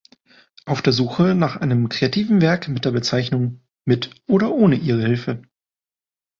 Auf der Suche nach einem kreativen Werk mit der Bezeichnung "Mit oder ohne Ihre Hilfe"